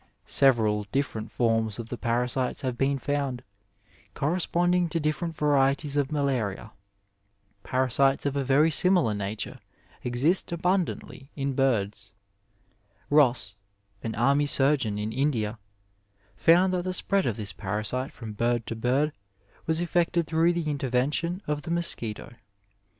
Several different forms of the parasites have been found, corresponding to different varieties of malaria. Parasites of a very similar 262 Digitized by Google MEDICINE IN THE NINETEENTH CJENTURY nature exist abondantlj in birds. Ross, an army surgeon in India, found that the spread of this parasite from bird to bird was effected through the intervention of the mosquito.